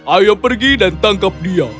ayo pergi dan tangkap dia